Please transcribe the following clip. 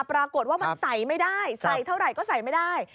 ปรากฏว่ามันใส่ไม่ได้ใส่เท่าไหร่ก็ใส่ไม่ได้